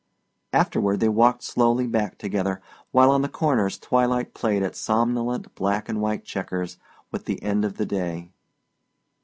Afterward they walked slowly back together, while on the corners twilight played at somnolent black and white checkers with the end of day.